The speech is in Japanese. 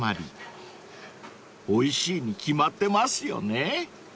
［おいしいに決まってますよね］